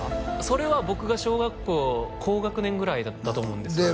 それは僕が小学校高学年ぐらいだったと思うんですよ